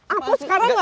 apus sekarang gak